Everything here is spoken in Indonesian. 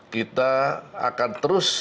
kita akan terus